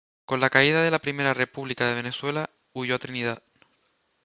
Con la caída de la Primera República de Venezuela huyó a Trinidad.